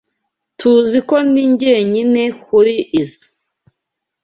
Tuziko ndi jyenyine kurizoi.